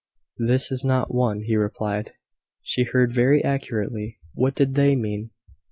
"This is not one," he replied. "She heard very accurately." "What did they mean?"